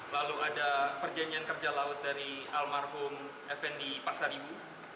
lalu ada perjanjian kerja laut dari almarhum fnd pasar ibu